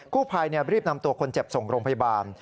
ผู้ภัยรีบนำตัวคนเจ็บส่งโรงพยาบาล